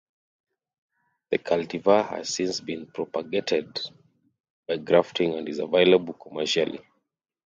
The cultivar has since been propagated by grafting and is available commercially.